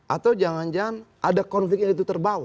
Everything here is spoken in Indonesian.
atau jangan jangan ada konflik yang itu terbawa